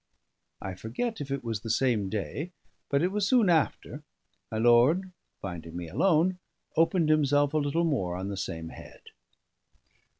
I forget if it was the same day, but it was soon after, my lord, finding me alone, opened himself a little more on the same head.